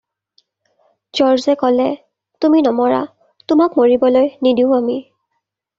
জৰ্জে ক'লে- "তুমি নমৰা, তোমাক মৰিবলৈ নিদিওঁ আমি।"